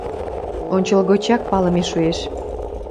Ончылгочак палыме шуэш.